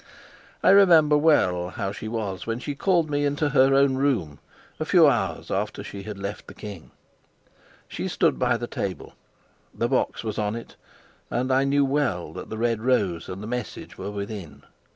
I remember well how she was when she called me into her own room, a few hours after she had left the king. She stood by the table; the box was on it, and I knew well that the red rose and the message were within.